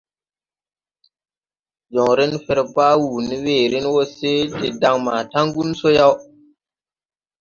Joŋren fer baa wuu ne weeren wɔ se de daŋ maa taŋgun so yaw.